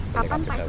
kapan pak pada tahun